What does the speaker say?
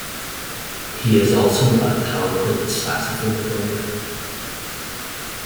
He is also a talented saxophone player.